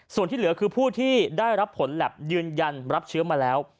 ส่วนที่เหลือคือผู้ที่ได้รับผลแล็บยืนยันรับเชื้อมาแล้ว